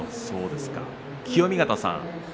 清見潟さん